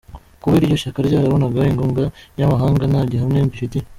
Kuba iryo shyaka ryarabonaga inkunga y’amahanga nta gihamya mbifitiye.